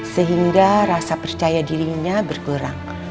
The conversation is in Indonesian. sehingga rasa percaya dirinya berkurang